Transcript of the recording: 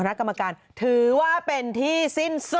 ภาระคำกรรมการถือว่าเป็นที่สิ้นสุข